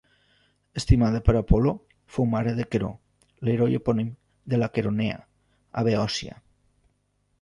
Estimada per Apol·lo, fou mare de Queró, l'heroi epònim de la Queronea, a Beòcia.